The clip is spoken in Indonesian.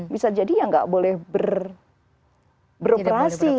bisa jadi ya nggak boleh beroperasi